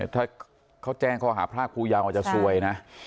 ถ้าเขาแจ้งข้อหาพรากภูยาวอาจจะซวยนะ